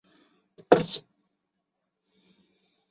有些国家会限制其公民移民出境至其他国家。